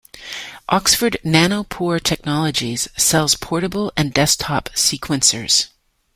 Oxford Nanopore technologies sells portable and desktop sequencers.